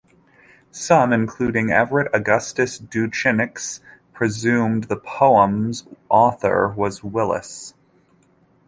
Some, including Evert Augustus Duyckinck, presumed that the poem's author was Willis.